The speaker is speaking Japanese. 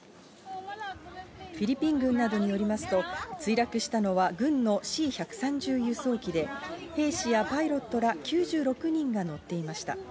フィリピン軍などによりますと、墜落したのは軍のＣ１３０輸送機で兵士やパイロットら９６人が乗っていました。